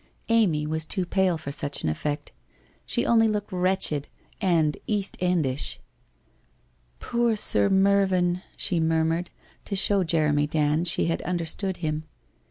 Amy was too pale for such an effect. She only looked wretched, and East endish. ' Poor Sir Mervyn !' she murmured, to show Jeremy Dand she had understood him.